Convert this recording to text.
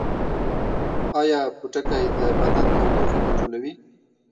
ایا پوټکی د بدن تودوخه کنټرولوي؟